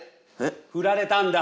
ふられたんだ。